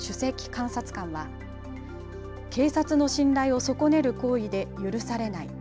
監察官は警察の信頼を損ねる行為で許されない。